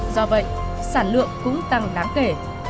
do vậy sản lượng cũng tăng đáng kể